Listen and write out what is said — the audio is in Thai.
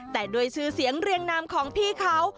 แต่ด้วยชื่อเสียงเรียงนามของพี่เขา